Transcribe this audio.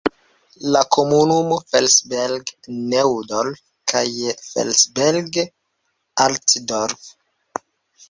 La komunumo Felsberg-Neudorf kaj Felsberg-Altdorf.